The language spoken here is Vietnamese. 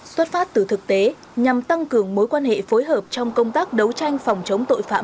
xuất phát từ thực tế nhằm tăng cường mối quan hệ phối hợp trong công tác đấu tranh phòng chống tội phạm